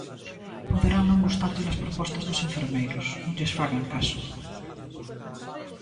Poderán non gustarlles as propostas dos enfermeiros; non lles fagan caso.